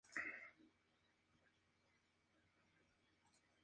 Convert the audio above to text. Forma parte del paraje las Cuatro Calas, reconocida como Paisaje Natural Protegido.